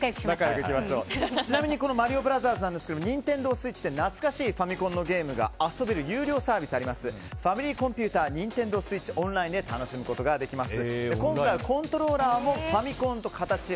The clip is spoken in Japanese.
ちなみに「マリオブラザーズ」ですがＮｉｎｔｅｎｄｏＳｗｉｔｃｈで懐かしいファミコンのゲームが遊べる有料サービス「ファミリーコンピュータＮｉｎｔｅｎｄｏＳｗｉｔｃｈＯｎｌｉｎｅ」で楽しむことができます。